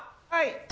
はい。